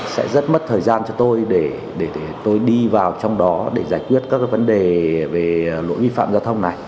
sẽ rất mất thời gian cho tôi để tôi đi vào trong đó để giải quyết các vấn đề về lỗi vi phạm giao thông này